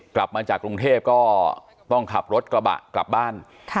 กลับมาจากกรุงเทพก็ต้องขับรถกระบะกลับบ้าน